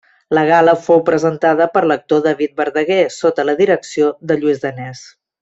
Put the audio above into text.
La gala fou presentada per l'actor David Verdaguer, sota la direcció de Lluís Danés.